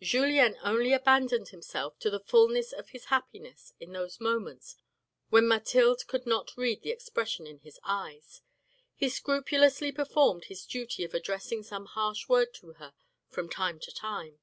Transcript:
Julien only abandoned himself to the fulness of his happiness in those moments when Mathilde could not read the expression in his eyes. He scrupulously performed his duty of addressing some harsh word to her from time to time.